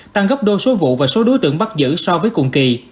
tăng gấp đô số vụ và số đối tượng bắt giữ so với cùng kỳ